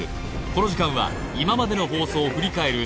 この時間は今までの放送を振り返る